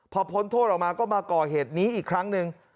พอพ้นโทษออกมาก็มาก่อเหตุนี้อีกครั้งหนึ่ง